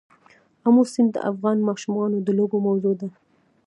آمو سیند د افغان ماشومانو د لوبو موضوع ده.